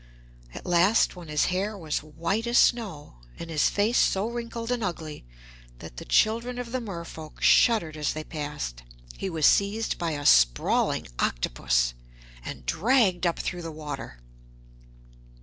At last, when his hair was white as snow, and his face so wrinkled and ugly that the children of the mer folk shuddered as they passed, he was seized by a sprawling octopus, and dragged up through the water.